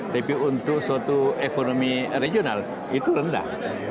tapi untuk suatu ekonomi regional itu rendah